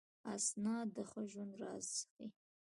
استاد د ښه ژوند راز ښيي.